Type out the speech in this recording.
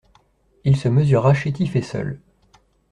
Il se mesura chétif et seul.